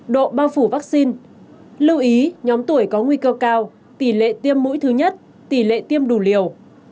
độ bao phủ vaccine lưu ý nhóm tuổi có nguy cơ cao tỷ lệ tiêm mũi thứ nhất tỷ lệ tiêm đủ liều